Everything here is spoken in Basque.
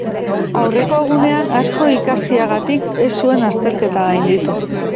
Aurreko egunean asko ikasiagatik, ez zuen azterketa gainditu.